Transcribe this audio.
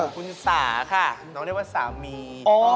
คุณสาค่ะน้องได้ว่าสาวมีน